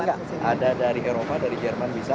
ada dari eropa dari jerman bisa